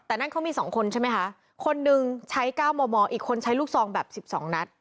แต่นั่นเขามี๒คนใช่ไหมคะคนหนึ่งใช้๙มมอีกคนใช้ลูกซองแบบ๑๒นัด